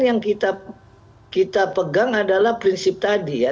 yang kita pegang adalah prinsip tadi ya